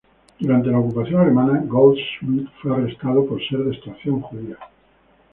Durante la ocupación alemana Goldschmidt fue arrestado por ser de extracción judía.